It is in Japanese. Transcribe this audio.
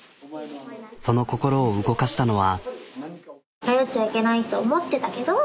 その心を動かしたのは。